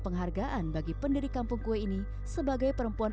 penghargaan bagi pendiri kampung kue ini sebagai perempuan